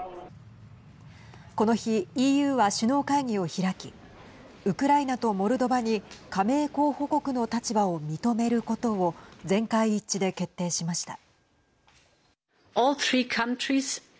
この日、ＥＵは首脳会議を開きウクライナとモルドバに加盟候補国の立場を認めることを全会一致で決定しました。